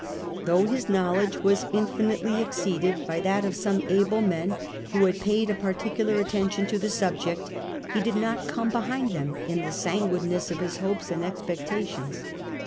Though his knowledge was infinitely exceeded by that of some able men who had paid a particular attention to the subject^ ho did not come behind them in the sanguineness of his hopes and expectations."